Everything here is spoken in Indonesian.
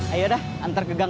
ayo dah antar ke gang